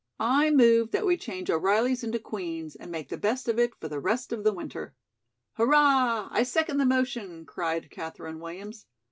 I move that we change O'Reilly's into Queen's and make the best of it for the rest of the winter." "Hurrah! I second the motion," cried Katherine Williams.